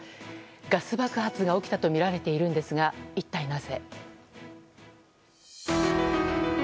ガス爆発が起きたとみられているんですが一体なぜ。